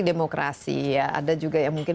demokrasi ya ada juga yang mungkin